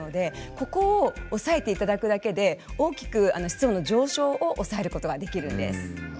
ここを押さえていただくだけで大きく室温の上昇を抑えることができるんです。